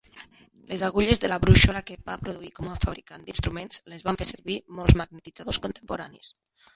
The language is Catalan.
Les agulles de la brúixola que va produir com a fabricant d'instruments les van fer servir molts magnetitzadors contemporanis.